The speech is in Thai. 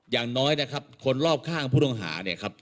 อย่างน้อยนะครับคนรอบข้างผู้ต้องหาเนี่ยครับ